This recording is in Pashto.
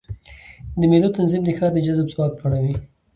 د مېلو تنظیم د ښار د جذب ځواک لوړوي.